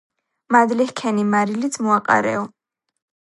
მადლი ჰქენი, მარილიც მოაყარეო